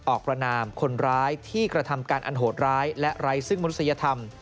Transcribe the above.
ประนามคนร้ายที่กระทำการอันโหดร้ายและไร้ซึ่งมนุษยธรรม